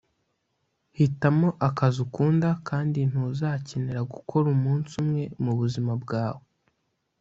hitamo akazi ukunda kandi ntuzakenera gukora umunsi umwe mubuzima bwawe.